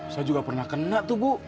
saya juga pernah kena tuh bu